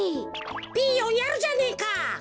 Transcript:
ピーヨンやるじゃねえか。